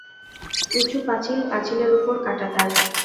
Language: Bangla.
উঁচু পাচিল, পাঁচিলের উপর কাটা তার।